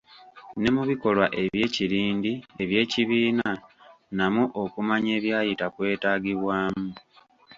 Ne mu bikolwa eby'ekirindi eby'ekibiina, namwo okumanya ebyayita kwetaagibwamu.